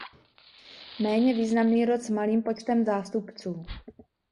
Méně významný rod s malým počtem zástupců.